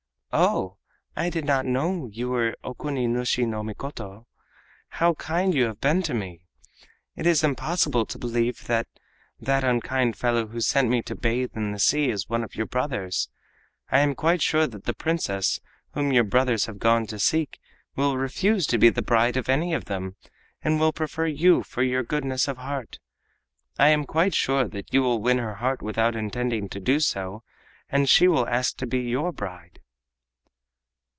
"Oh, I did not know that you were Okuni nushi no Mikoto. How kind you have been to me! It is impossible to believe that that unkind fellow who sent me to bathe in the sea is one of your brothers. I am quite sure that the Princess, whom your brothers have gone to seek, will refuse to be the bride of any of them, and will prefer you for your goodness of heart. I am quite sure that you will win her heart without intending to do so, and she will ask to be your bride."